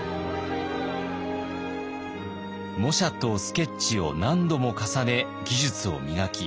模写とスケッチを何度も重ね技術を磨き